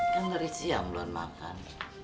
kan dari siang bulan makan